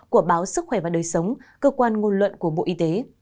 của báo sức khỏe và đời sống cơ quan ngôn luận của bộ y tế